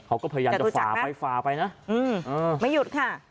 เขาก็พยายามจะฝ่าไปฝ่าไปนะไม่หยุดค่ะ